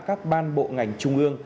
các ban bộ ngành trung ương